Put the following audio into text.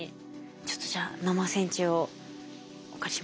ちょっとじゃあ生線虫をお借りします。